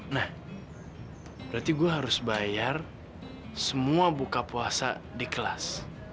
nah berarti gue harus bayar semua buka puasa di kelas